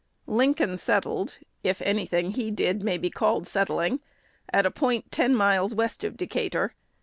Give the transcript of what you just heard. Lincoln settled (if any thing he did may be called settling) at a point ten miles west of Decatur.